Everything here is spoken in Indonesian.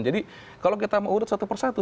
jadi kalau kita mau urut satu persatu